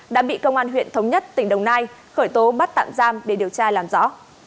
đã bị công an huyện thống nhất tỉnh đồng nai khởi tố bắt tạm giam để điều tra làm rõ